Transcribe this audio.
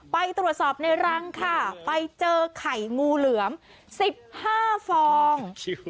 ไปตรวจสอบในรังค่ะไปเจอไข่งูเหลือม๑๕ฟอง